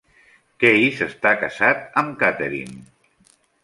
Keyes està casat amb Catherine.